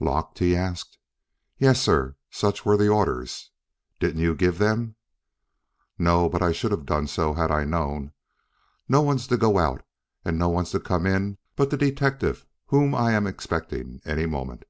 "Locked?" he asked. "Yes, sir. Such were the orders. Didn't you give them?" "No, but I should have done so, had I known. No one's to go out, and no one's to come in but the detective whom I am expecting any moment."